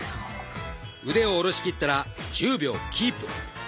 腕を下ろしきったら１０秒キープ。